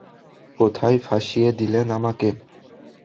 কোথায় ফাঁসিয়ে দিলেন আমাকে?